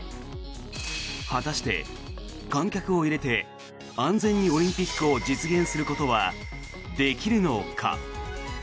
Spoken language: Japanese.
果たして、観客を入れて安全にオリンピックを実現することはできるのか。